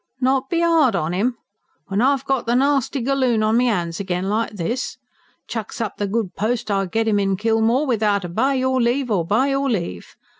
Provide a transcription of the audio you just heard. "Not be 'ard on 'im? When I've got the nasty galoon on me 'ands again like this? Chucks up the good post I git 'im in Kilmore, without with your leave or by your leave.